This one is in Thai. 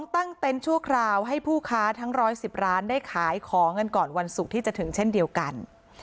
ตั้งเต็นต์ชั่วคราวให้ผู้ค้าทั้ง๑๑๐ร้านได้ขายของกันก่อนวันศุกร์ที่จะถึงเช่นเดียวกัน